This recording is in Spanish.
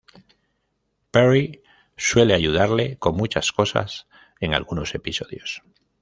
Perry suele ayudarle con muchas cosas en algunos episodios.